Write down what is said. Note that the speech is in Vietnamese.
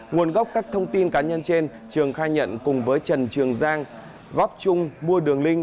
nguồn gốc các thông tin cá nhân trên trường khai nhận cùng với trần trường giang góp chung mua đường link